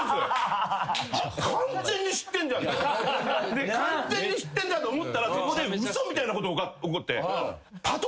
で完全に知ってんだと思ったらそこで嘘みたいなことが起こって。